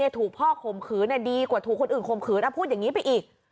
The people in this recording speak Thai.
ถูกพ่อข่มขืนดีกว่าถูกคนอื่นข่มขืนพูดอย่างนี้ไปอีก